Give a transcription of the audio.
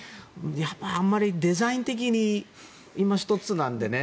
やっぱりあまり、デザイン的にいま一つなんでね。